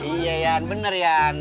iya ian bener ian